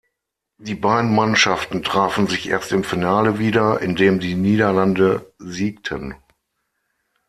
Die beiden Mannschaften trafen sich erst im Finale wieder, in dem die Niederlande siegten.